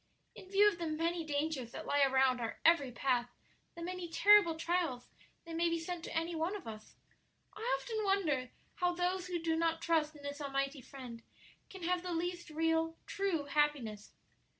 "In view of the many dangers that lie around our every path, the many terrible trials that may be sent to any one of us, I often wonder how those who do not trust in this almighty Friend can have the least real, true happiness.